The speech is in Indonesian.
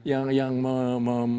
jadi banyak yang memberikan